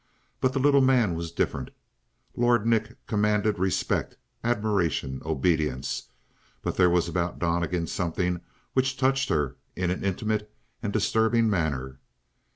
But the little man was different. Lord Nick commanded respect, admiration, obedience; but there was about Donnegan something which touched her in an intimate and disturbing manner.